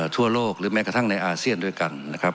ทั่วโลกหรือแม้กระทั่งในอาเซียนด้วยกันนะครับ